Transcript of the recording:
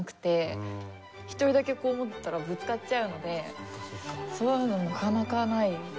１人だけこう持ったらぶつかっちゃうのでそういうのはなかなかない。